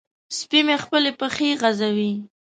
سپی مې خپلې پښې غځوي.